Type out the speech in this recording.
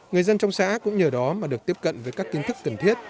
người dân trong xã cũng nhờ đó mà được tiếp cận với các kiến thức cần thiết